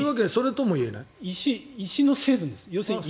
石の成分です。